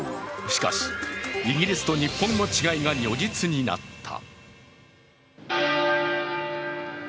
しかし、イギリスと日本の違いが如実になった。